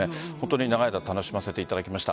長い間楽しませていただきました。